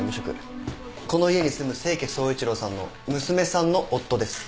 この家に住む清家総一郎さんの娘さんの夫です。